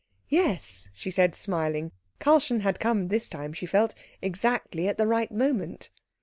"Yes," she said, smiling; Karlchen had come this time, she felt, exactly at the right moment.